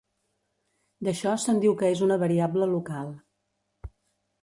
D'això se'n diu que és una variable local.